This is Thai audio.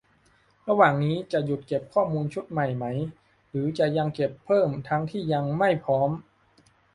- ระหว่างนี้ จะหยุดเก็บข้อมูลชุดใหม่ไหม หรือจะยังเก็บเพิ่มทั้งที่ยังไม่พร้อม